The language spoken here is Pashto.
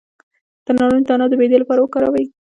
د نارنج دانه د معدې لپاره وکاروئ